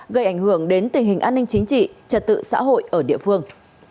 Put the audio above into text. gây ảnh hưởng đến tình hình an ninh chính trị trật tự xã hội ở địa phương